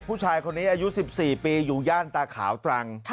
ผู้ชายคนนี้อายุ๑๔ปีอยู่ย่านตาขาวตรัง